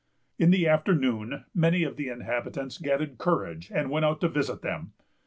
In the afternoon, many of the inhabitants gathered courage, and went out to visit them.